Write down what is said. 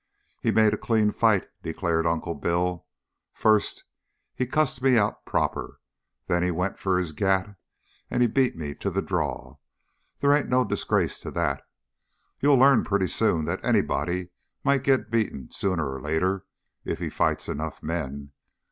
"He made a clean fight," declared Uncle Bill. "First he cussed me out proper. Then he went for his gat and he beat me to the draw. They ain't no disgrace to that. You'll learn pretty soon that anybody might get beaten sooner or later if he fights enough men.